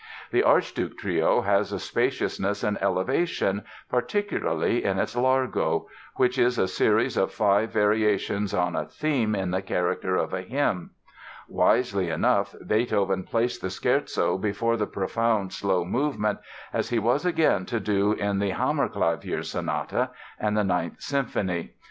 The "Archduke" Trio has a spaciousness and elevation, particularly in its Largo, which is a series of five variations on a theme in the character of a hymn. Wisely enough, Beethoven placed the Scherzo before the profound slow movement, as he was again to do in the "Hammerklavier" Sonata and the Ninth Symphony.